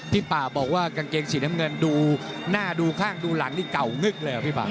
พี่ป่าบอกว่ากางเกงสีน้ำเงินดูหน้าดูข้างดูหลังกล่าวเงิกแหล่ว